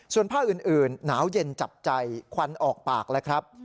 ส่วนภาคอื่นหนาวเย็นจับใจควันออกปากแล้วครับ